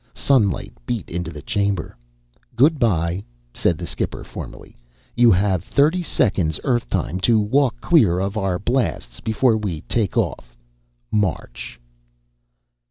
Sunlight beat into the chamber. "Goodbye," said the skipper formally. "You have thirrty ssecondss, Earrth time, to walk clearr of our blasstss beforre we take off. Marrch."